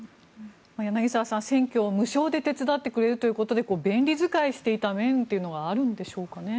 柳澤さん、選挙を無償で手伝ってくれるということで便利使いしていた面というのはあるんでしょうかね。